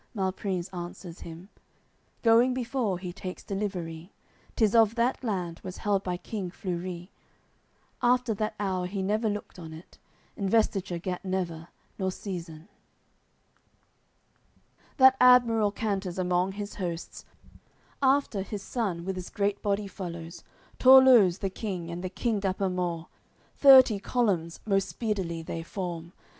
Malprimes answers him; Going before, he takes delivery; 'Tis of that land, was held by king Flurit. After that hour he never looked on it, Investiture gat never, nor seizin. CCXXXII That admiral canters among his hosts; After, his son with's great body follows, Torleus the king, and the king Dapamort; Thirty columns most speedily they form.